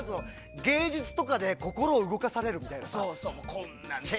芸術とかで心を動かされるとか。